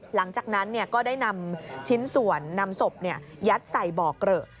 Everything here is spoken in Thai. หลังจากนั้นก็ได้นำชิ้นส่วนนำศพยัดใส่บ่อเกลอะ